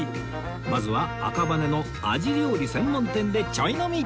まずは赤羽の鯵料理専門店でちょい飲み